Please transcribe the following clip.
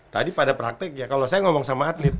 tadi pada praktiknya kalau saya ngomong sama atlet